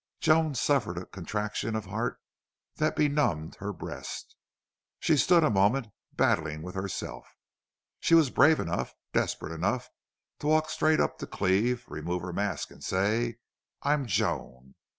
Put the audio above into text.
Joan suffered a contraction of heart that benumbed her breast. She stood a moment battling with herself. She was brave enough, desperate enough, to walk straight up to Cleve, remove her mask and say, "I am Joan!"